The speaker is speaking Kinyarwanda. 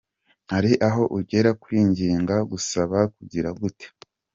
Hari aho ugera kwinginga, gusaba, kugira gute….